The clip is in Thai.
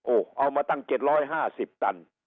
เอามาตั้ง๗๕๐ตัน